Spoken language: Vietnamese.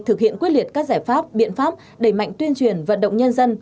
thực hiện quyết liệt các giải pháp biện pháp đẩy mạnh tuyên truyền vận động nhân dân